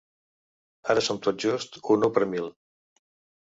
Ara som tot just un u per mil.